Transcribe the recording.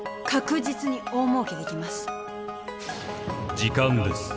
時間です。